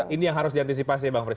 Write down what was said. ini yang harus diantisipasi bang frit